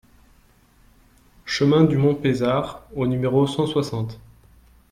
Chemin du Mont Pezard au numéro cent soixante